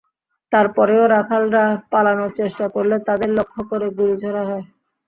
তারপরেও রাখালরা পালানোর চেষ্টা করলে তাঁদের লক্ষ্য করে গুলি ছোড়া হয়।